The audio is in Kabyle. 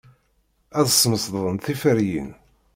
Ad smesden tiferyin.